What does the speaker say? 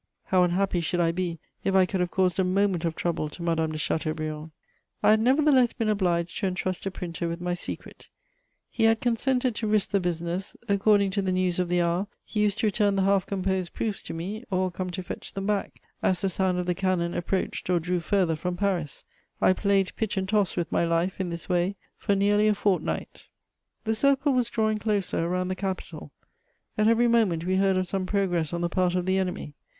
How unhappy should I be if I could have caused a moment of trouble to Madame de Chateaubriand! I had nevertheless been obliged to entrust a printer with my secret: he had consented to risk the business; according to the news of the hour, he used to return the half composed proofs to me, or come to fetch them back, as the sound of the cannon approached or drew farther from Paris: I played pitch and toss with my life, in this way, for nearly a fortnight. [Sidenote: War at the gates of Paris.] The circle was drawing closer around the capital: at every moment we heard of some progress on the part of the enemy.